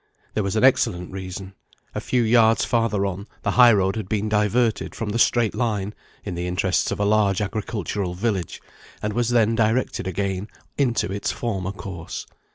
There was an excellent reason. A few yards farther on, the high road had been diverted from the straight line (in the interest of a large agricultural village), and was then directed again into its former course.